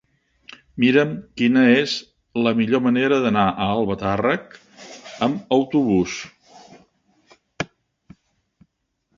Mira'm quina és la millor manera d'anar a Albatàrrec amb autobús.